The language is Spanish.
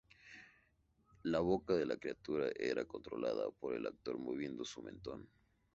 La boca de la criatura era controlada por el actor moviendo su mentón.